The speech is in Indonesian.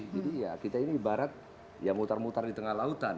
jadi ya kita ini ibarat ya mutar mutar di tengah lautan